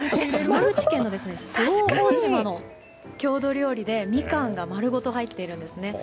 山口県の周防大島の郷土料理でみかんが丸ごと入っているんですね。